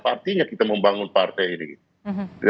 artinya kita membangun partai ini gitu